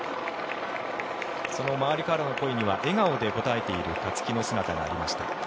その周りからの声には笑顔で応えている勝木の姿がありました。